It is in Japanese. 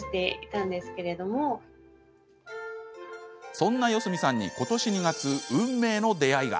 そんな四角さんにことし２月運命の出会いが。